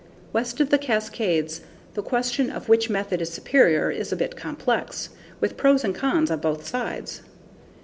West of the Cascades, the question of which method is superior is a bit complex, with pros and cons on both sides.